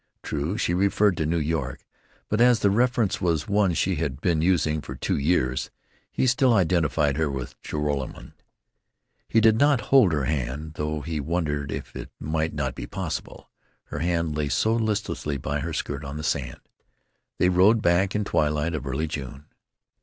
True, she referred to New York, but as the reference was one she had been using these two years he still identified her with Joralemon.... He did not even hold her hand, though he wondered if it might not be possible; her hand lay so listlessly by her skirt, on the sand.... They rode back in twilight of early June.